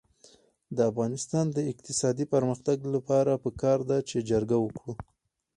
د افغانستان د اقتصادي پرمختګ لپاره پکار ده چې جرګه وکړو.